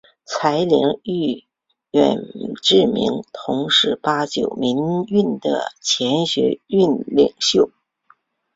柴玲与远志明同是八九民运的前学运领袖。